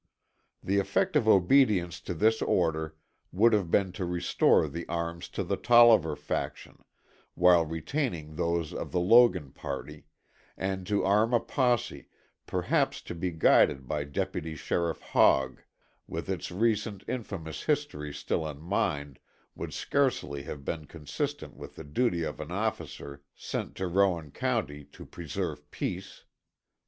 The effect of obedience to this order would have been to restore the arms to the Tolliver faction, while retaining those of the Logan party, and to arm a posse, perhaps to be guided by Deputy Sheriff Hogg, with its recent infamous history still in mind, would scarcely have been consistent with the duty of an officer sent to Rowan County to preserve peace.